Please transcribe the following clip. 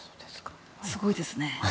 すごいですね。